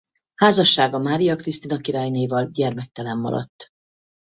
Házassága Mária Krisztina királynéval gyermektelen maradt.